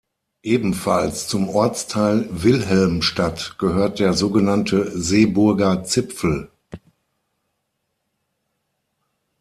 Ebenfalls zum Ortsteil Wilhelmstadt gehört der sogenannte „Seeburger Zipfel“.